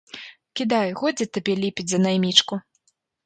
Кідай, годзе табе ліпець за наймічку.